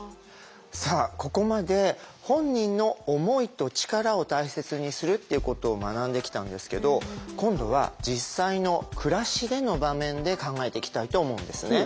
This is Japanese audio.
さあここまで本人の思いと力を大切にするっていうことを学んできたんですけど今度は実際の暮らしでの場面で考えていきたいと思うんですね。